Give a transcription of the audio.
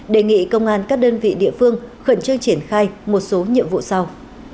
đề nghị công an các đơn vị địa phương khẩn trương triển khai một số nhiệm vụ sau